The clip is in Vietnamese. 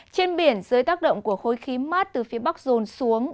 trên biển dưới tác động của khối khí mát từ phía bắc rồn xuống